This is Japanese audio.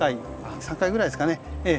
３回ぐらいですかね